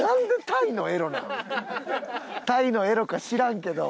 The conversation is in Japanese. タイのエロか知らんけど。